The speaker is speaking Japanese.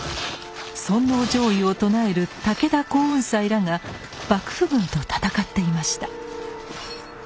尊王攘夷を唱える武田耕雲斎らが幕府軍と戦っていました。